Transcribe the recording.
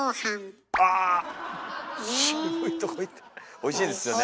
おいしいですよね。